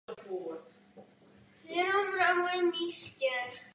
Návrh zdůrazňuje rozdíl mezi reklamou a informacemi.